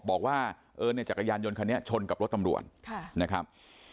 บอกว่าเออเนี่ยจักรยานยนต์คันนี้ชนกับรถตำรวจนะครับ